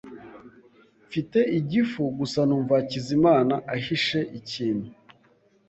Mfite igifu gusa numva Hakizimana ahishe ikintu.